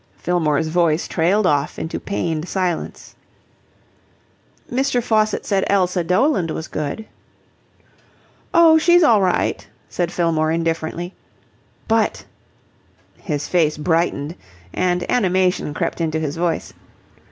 Fillmore's voice trailed off into pained silence. "Mr. Faucitt said Elsa Doland was good." "Oh, she's all right," said Fillmore indifferently. "But " His face brightened and animation crept into his voice.